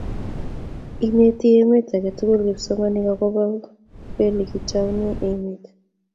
ineti emet aketukul kipsomaninik akobo weli kitoune emet